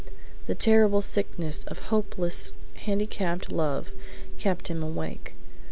The terrible sickness of hopeless handicapped love kept him awake.